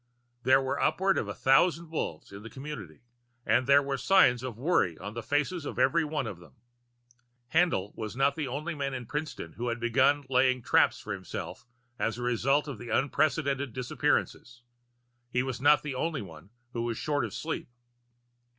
There were upward of a thousand Wolves in the Community and there were signs of worry on the face of every one of them. Haendl was not the only man in Princeton who had begun laying traps for himself as a result of the unprecedented disappearances; he was not the only one who was short of sleep.